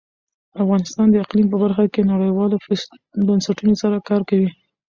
افغانستان د اقلیم په برخه کې نړیوالو بنسټونو سره کار کوي.